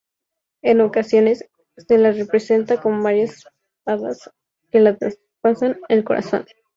En ocasiones, se la representa con varias espadas que le traspasan el corazón.